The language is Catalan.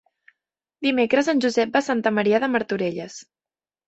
Dimecres en Josep va a Santa Maria de Martorelles.